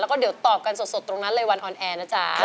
แล้วก็เดี๋ยวตอบกันสดตรงนั้นเลยวันออนแอร์นะจ๊ะ